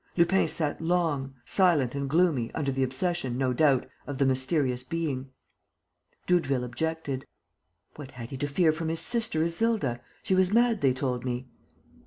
Lupin sat long, silent and gloomy, under the obsession, no doubt, of the mysterious being. Doudeville objected: "What had he to fear from his sister Isilda? She was mad, they told me."